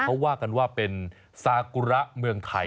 เขาว่ากันว่าเป็นซากุระเมืองไทย